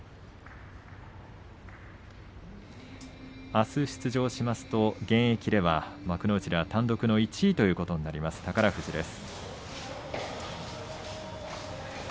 あす出場しますと現役では幕内では単独の１位ということになります、宝富士です。